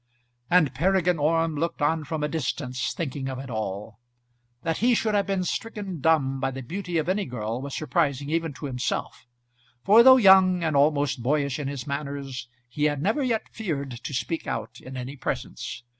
And Peregrine Orme looked on from a distance, thinking of it all. That he should have been stricken dumb by the beauty of any girl was surprising even to himself; for though young and almost boyish in his manners, he had never yet feared to speak out in any presence.